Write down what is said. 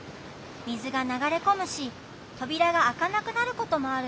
みずがながれこむしとびらがあかなくなることもあるんだよ。